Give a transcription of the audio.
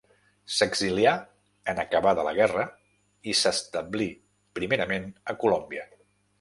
S'exilià en acabada la guerra i s'establí primerament a Colòmbia.